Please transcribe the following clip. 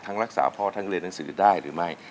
รักษาพ่อทั้งเรียนหนังสือได้หรือไม่